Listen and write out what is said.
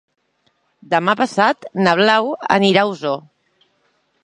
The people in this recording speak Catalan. Demà passat na Blau anirà a Osor.